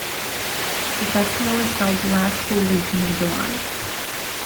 The festival is held the last full weekend of July.